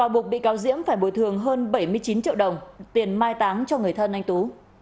buộc bị cáo diễm phải bồi thường hơn bảy mươi chín triệu đồng tiền mai táng cho người thân anh tú